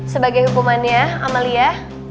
sebagai hukumannya amalia